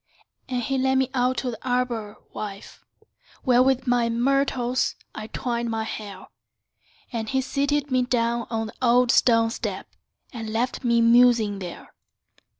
And he led me out to the arbor, wife, Where with myrtles I twined your hair; And he seated me down on the old stone step, And left me musing there.